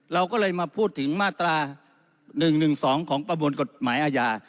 เราก็เลยมาพูดถึงมาตรา๑๑๒ของประมวลกฎหมายอาญา